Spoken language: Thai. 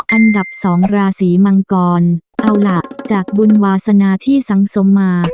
อันดับสองราศีมังกรเอาล่ะจากบุญวาสนาที่สังสมมา